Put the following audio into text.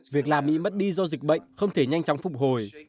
việc làm bị mất đi do dịch bệnh không thể nhanh chóng phục hồi